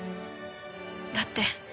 だって。